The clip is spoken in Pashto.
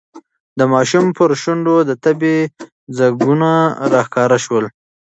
د ماشوم پر شونډو د تبې ځگونه راښکاره شول.